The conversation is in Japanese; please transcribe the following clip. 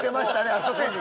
あそこに。